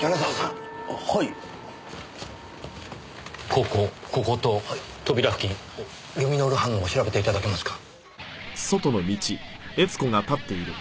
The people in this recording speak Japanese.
ここここと扉付近ルミノール反応を調べて頂けますか？